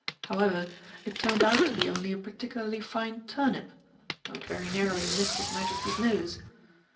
However, it turned out to be only a particularly fine turnip, though it very narrowly missed his Majesty's nose.